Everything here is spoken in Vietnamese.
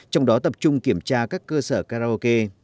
trong đó tập trung kiểm tra các cơ sở karaoke